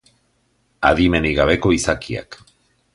Adimenik gabeko izakiak.